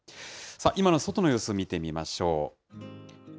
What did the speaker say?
今の外の様子を見てみましょう。